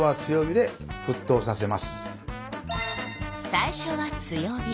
最初は強火。